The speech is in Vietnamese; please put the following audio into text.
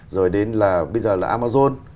rồi đến là bây giờ là amazon